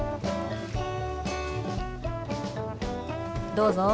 どうぞ。